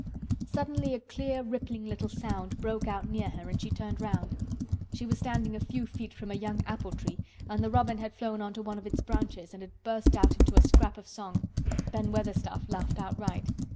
Suddenly a clear rippling little sound broke out near her and she turned round. She was standing a few feet from a young apple tree and the robin had flown on to one of its branches and had burst out into a scrap of a song. Ben Weatherstaff laughed outright.